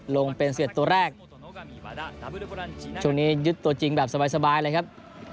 ลงเป็น๑๑ตัวแรกช่วงนี้ยึดตัวจริงแบบสบายเลยครับ